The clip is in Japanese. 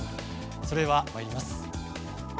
それではまいります。